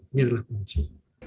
ini adalah kunci